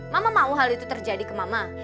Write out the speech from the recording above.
mama mau hal itu terjadi ke mama